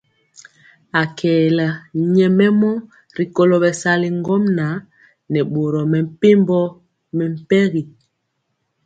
Akɛolo nyɛmemɔ rikolo bɛsali ŋgomnaŋ nɛ boro mepempɔ mɛmpegi.